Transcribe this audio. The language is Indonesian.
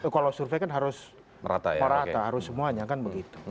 kalau survei kan harus merata harus semuanya kan begitu